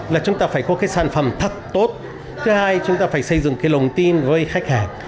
là chúng ta phải có cái sản phẩm thật tốt thứ hai chúng ta phải xây dựng cái lồng tin với khách hàng